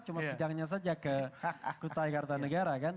cuma sidangnya saja ke kota kota negara kan